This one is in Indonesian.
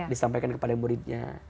disampaikan kepada muridnya